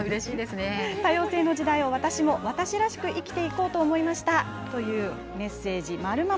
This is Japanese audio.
多様性の時代も私を私らしく生きていこうと思いましたというメッセージ。